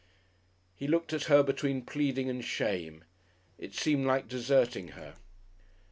He looked at her between pleading and shame. It seemed like deserting her.